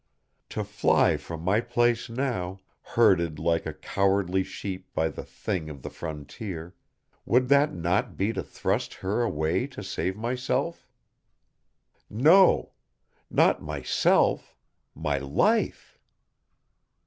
To fly from my place now, herded like a cowardly sheep by the Thing of the Frontier, would that not be to thrust her away to save myself? No! Not myself, my life!